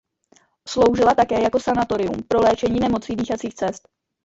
Sloužila také jako sanatorium pro léčení nemocí dýchacích cest.